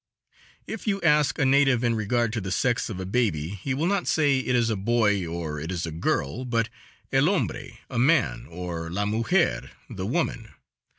If you ask a native in regard to the sex of a baby he will not say it is a boy or it is a girl, but "el hombre" (a man) or "la mujer" (the woman.)